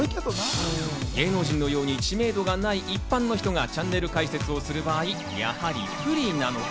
芸能人のように知名度がない一般の人がチャンネル開設をする場合、やはり不利なのか。